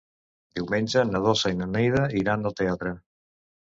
Diumenge na Dolça i na Neida iran al teatre.